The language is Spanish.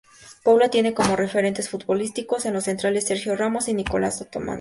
Paula tiene como referentes futbolísticos a los centrales Sergio Ramos y Nicolás Otamendi.